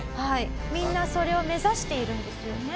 みんなそれを目指しているんですよね？